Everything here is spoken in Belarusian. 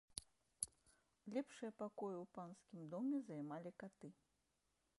Лепшыя пакоі ў панскім доме займалі каты.